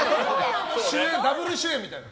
ダブル主演みたいな。